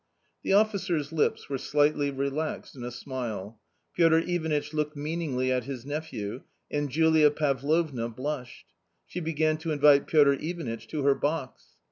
The officer's lips were slightly relaxed in a smile. Piotr Ivanitch looked meaningly at his nephew, and Julia Pavlovna blushed. She began to invite Piotr Ivanitch to her box.